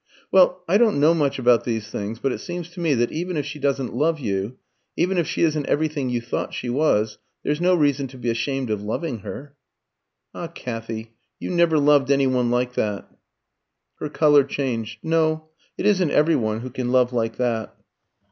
"Well, I don't know much about these things; but it seems to me that even if she doesn't love you, even if she isn't everything you thought she was, there's no reason to be ashamed of loving her." "Ah, Kathy, you never loved any one like that." Her colour changed. "No. It isn't every one who can love like that."